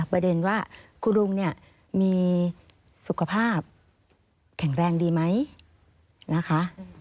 ประเด็นว่าคุณลุงเนี่ยมีสุขภาพแข็งแรงดีไหมนะคะ